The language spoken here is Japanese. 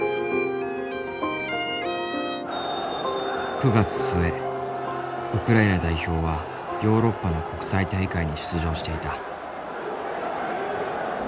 ９月末ウクライナ代表はヨーロッパの国際大会に出場していた。